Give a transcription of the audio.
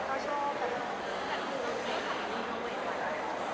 เขาชอบ